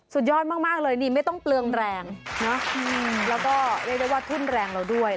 สุดยอดมากเลยนี่ไม่ต้องเปลืองแรงนะแล้วก็เรียกได้ว่าทุ่นแรงเราด้วย